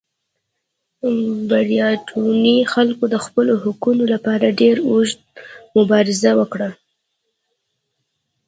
برېټانوي خلکو د خپلو حقونو لپاره ډېره اوږده مبارزه وکړه.